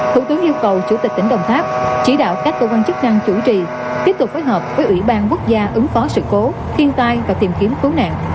thủ tướng yêu cầu chủ tịch tỉnh đồng tháp chỉ đạo các cơ quan chức năng chủ trì tiếp tục phối hợp với ủy ban quốc gia ứng phó sự cố thiên tai và tìm kiếm cứu nạn